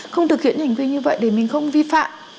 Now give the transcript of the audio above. không thực hiện hành vi như vậy để mình không vi phạm